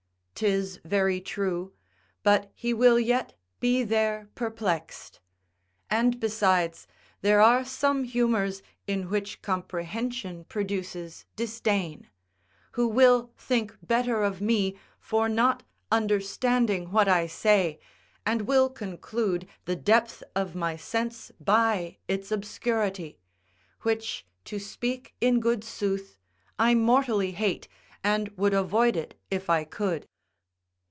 'Tis very true, but he will yet be there perplexed. And, besides, there are some humours in which comprehension produces disdain; who will think better of me for not understanding what I say, and will conclude the depth of my sense by its obscurity; which, to speak in good sooth, I mortally hate, and would avoid it if I could.